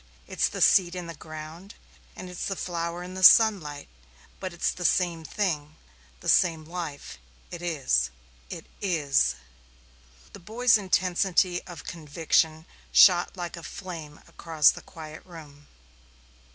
It's the seed in the ground, and it's the flower in the sunlight, but it's the same thing the same life it is it is." The boy's intensity of conviction shot like a flame across the quiet room.